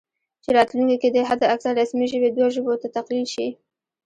چې راتلونکي کې دې حد اکثر رسمي ژبې دوه ژبو ته تقلیل شي